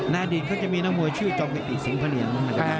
ในอดีตก็จะมีน้องมวยชื่อจอมกิตติสิงค์พระเรียน